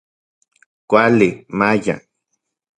Kuali, maya.